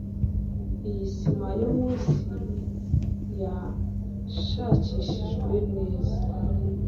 Iyi sima yo munsi yashakishijwe neza?